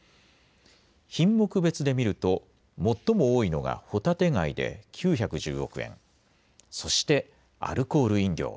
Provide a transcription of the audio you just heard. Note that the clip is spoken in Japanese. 品目別で見ると、最も多いのがホタテ貝で９１０億円、そしてアルコール飲料。